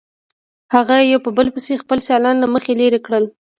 هغه یو په بل پسې خپل سیالان له مخې لرې کړل.